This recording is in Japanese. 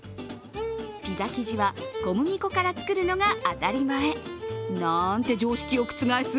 ピザ生地は小麦粉から作るのが当たり前なんて常識を覆す